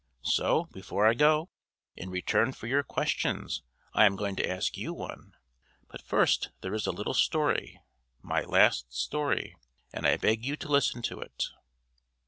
So before I go, in return for your questions I am going to ask you one. But first there is a little story my last story; and I beg you to listen to it."